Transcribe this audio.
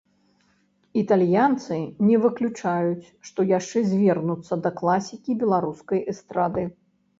Італьянцы не выключаюць, што яшчэ звернуцца да класікі беларускай эстрады.